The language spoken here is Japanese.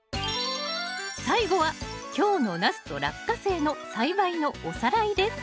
最後は今日のナスとラッカセイの栽培のおさらいです。